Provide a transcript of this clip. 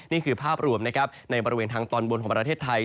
นี่คือภาพรวมนะครับในบริเวณทางตอนบนของประเทศไทย